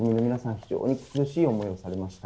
非常に苦しい思いをされました。